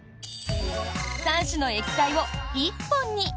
３種の液体を１本に！